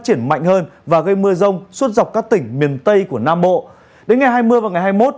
chuyển mạnh hơn và gây mưa rông suốt dọc các tỉnh miền tây của nam bộ đến ngày hai mươi và ngày hai mươi một